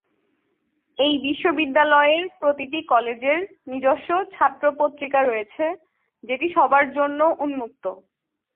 এই বিশ্ববিদ্যালয়ের প্রতিটি কলেজের নিজস্ব "ছাত্র পত্রিকা" রয়েছে যেটি সবার জন্য উন্মুক্ত।